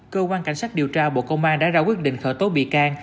cơ quan cảnh sát điều tra bộ công an đã ra quyết định khởi tố bị can